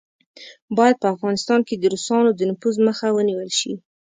باید په افغانستان کې د روسانو د نفوذ مخه ونیوله شي.